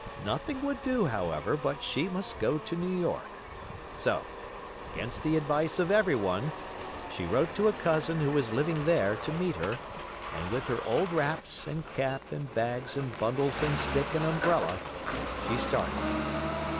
Nothing would do, however, but she must go to New York; so, against the advice of everyone, she wrote to a cousin who was living there to meet her, and with her old wraps, and cap, and bags, and bundles, and stick, and umbrella, she started.